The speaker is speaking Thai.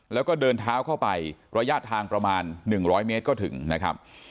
แล้วก็เดินเท้าเข้าไประยะทางประมาณ๑๐๐เมตรก็ถึงนะครับ